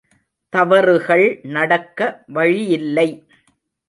தவறுகள் நடக்க வழியில்லை.